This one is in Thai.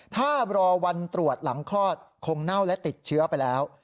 ถ้ารอวันตรวจหลังคลอดคงเน่าและติดเชื้อไปแล้ว